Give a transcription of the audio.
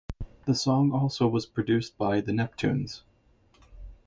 The song also was produced by The Neptunes.